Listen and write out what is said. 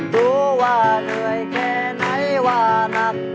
รู้ว่าเหนื่อยแค่ไหนว่านัก